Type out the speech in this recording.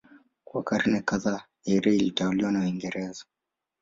Kwa karne kadhaa Eire ilitawaliwa na Uingereza.